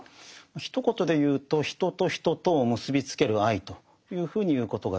ひと言で言うと人と人とを結びつける愛というふうに言うことができます。